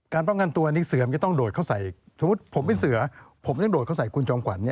ป้องกันตัวอันนี้เสือมันจะต้องโดดเข้าใส่สมมุติผมเป็นเสือผมยังโดดเขาใส่คุณจอมขวัญ